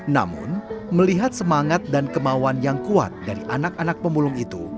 namun melihat semangat dan kemauan yang kuat dari anak anak pemulung itu